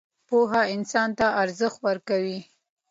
پوهه انسان ته ارزښت ورکوي